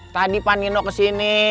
tadi pak nino kesini